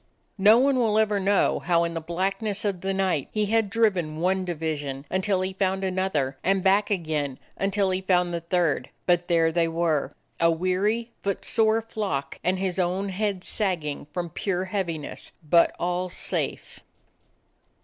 No one will ever know how in the blackness of the night he had driven one division until he found another, and back again until he found the third. But there they were, a weary, footsore flock, and his own head sag ging from pure heaviness; but all safe!